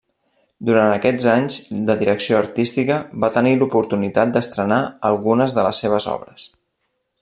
Durant aquests anys de direcció artística, va tenir l'oportunitat d'estrenar algunes de les seves obres.